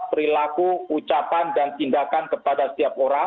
perilaku ucapan dan tindakan kepada setiap orang